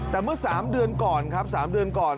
แต่เมื่อ๓เดือนก่อนครับ๓เดือนก่อน